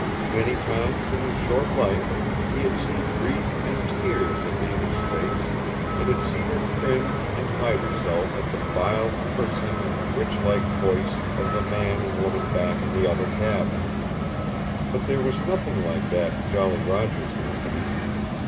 Many times in his short life he had seen grief and tears in Nada's face, and had seen her cringe and hide herself at the vile cursing and witch like voice of the man and woman back in the other cabin. But there was nothing like that in Jolly Roger's company.